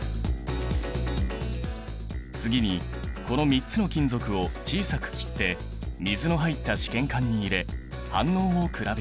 次にこの３つの金属を小さく切って水の入った試験管に入れ反応を比べよう。